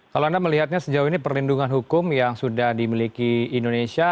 kalau anda melihatnya sejauh ini perlindungan hukum yang sudah dimiliki indonesia